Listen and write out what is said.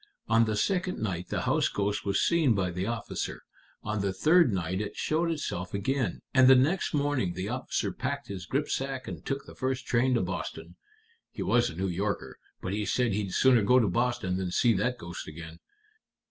On the second night the house ghost was seen by the officer; on the third night it showed itself again; and the next morning the officer packed his gripsack and took the first train to Boston. He was a New Yorker, but he said he'd sooner go to Boston than see that ghost again.